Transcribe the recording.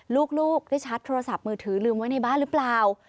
ลูกได้ชาร์จโทรศัพท์มือถือลืมไว้ในบ้านหรือเปล่า